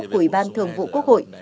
của ủy ban thường vụ quốc hội